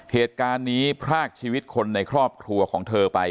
เหตุการณ์นี้พรากชีวิตคนในครอบครัวของเธอไป